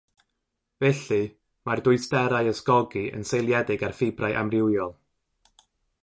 Felly, mae'r dwysterau ysgogi yn seiliedig ar ffibrau amrywiol.